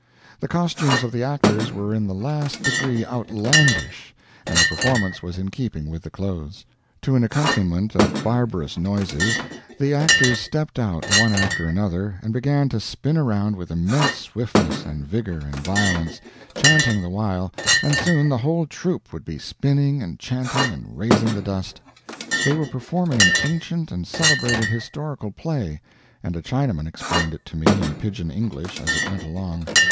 The costumes of the actors were in the last degree outlandish, and the performance was in keeping with the clothes. To an accompaniment of barbarous noises the actors stepped out one after another and began to spin around with immense swiftness and vigor and violence, chanting the while, and soon the whole troupe would be spinning and chanting and raising the dust. They were performing an ancient and celebrated historical play, and a Chinaman explained it to me in pidjin English as it went along.